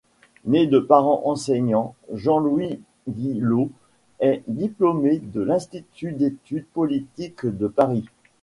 Né de parents enseignants, Jean-Louis Guillaud est diplômé de l'Institut d'études politiques de Paris.